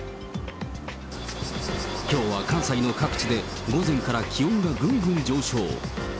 きょうは関西の各地で午前から気温がぐんぐん上昇。